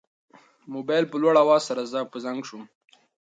موبایل په لوړ اواز سره په زنګ شو.